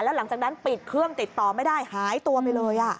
หลังจากนั้นปิดเครื่องติดต่อไม่ได้หายตัวไปเลย